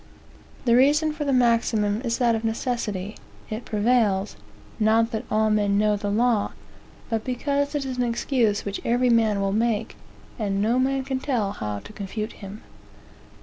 "The reason for the maxim is that of necessity. It prevails, 'not that all men know the law, but because it is an excuse which every man will make, and no man can tell how to confute him.'